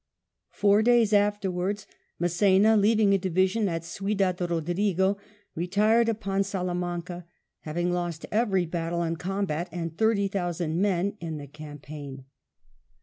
Four days afterwards Mass^na, leaving a division at Ciudad Eodrigo, retired upon Salamanca, having lost every battle and combat and thirty thousand men in the campaign.